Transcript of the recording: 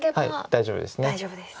大丈夫です。